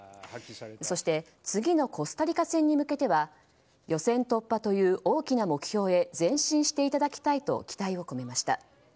そして次のコスタリカ戦に向けては予選突破という大きな目標へ前進していただきたいと期待を込めました。